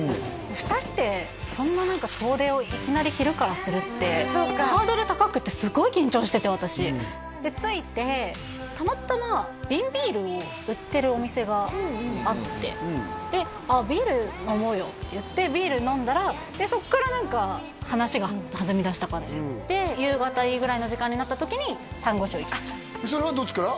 ２人でそんな何か遠出をいきなり昼からするってハードル高くてすごい緊張してて私で着いてたまたま瓶ビールを売ってるお店があって「あっビール飲もうよ」って言ってビール飲んだらそこから何か話が弾みだした感じで夕方いいぐらいの時間になった時にそれはどっちから？